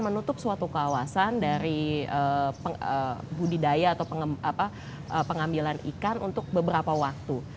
menutup suatu kawasan dari budidaya atau pengambilan ikan untuk beberapa waktu